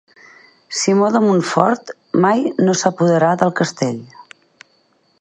Simó de Montfort mai no s'apoderà del castell.